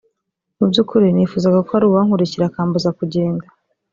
mu by’ukuri nifuzaga ko hari uwankurikira akambuza kugenda